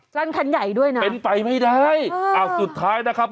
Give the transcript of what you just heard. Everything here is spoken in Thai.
กั้นคันใหญ่ด้วยนะเป็นไปไม่ได้อ้าวสุดท้ายนะครับ